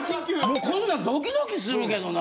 もうこんなんドキドキするけどな。